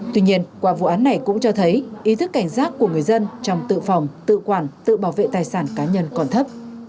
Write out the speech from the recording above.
tuy nhiên qua vụ án này cũng cho thấy ý thức cảnh giác của người dân trong tự phòng tự quản tự bảo vệ tài sản cá nhân còn thấp